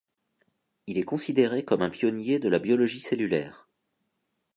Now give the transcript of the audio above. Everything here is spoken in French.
Il est considéré comme un pionnier de la biologie cellulaire.